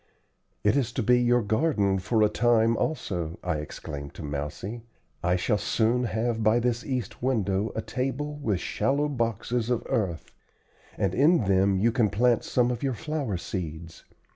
"It is to be your garden for a time also," I exclaimed to Mousie. "I shall soon have by this east window a table with shallow boxes of earth, and in them you can plant some of your flower seeds.